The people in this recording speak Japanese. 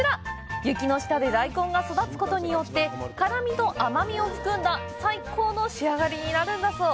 雪の下で大根が育つことによって辛みと甘みを含んだ最高の仕上がりになるんだそう。